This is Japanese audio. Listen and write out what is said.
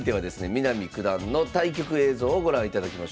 南九段の対局映像をご覧いただきましょう。